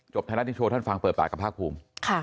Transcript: จบท้ายรัฐนี้โชว์ท่านฟังเปิดปากกับภาคภูมิค่ะ